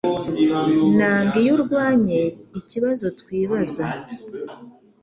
Nanga iyo urwanye ikibazo twibaza